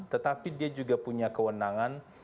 tetapi dia juga punya kewenangan